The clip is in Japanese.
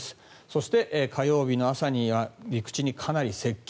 そして火曜日の朝には陸地にかなり接近。